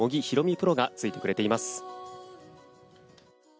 プロがついてくれています。